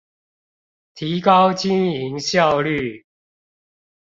提高經營效率